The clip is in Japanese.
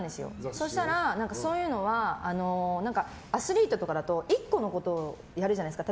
そしたらそういうのは何かアスリートとかだと１個のことをやるじゃないですか。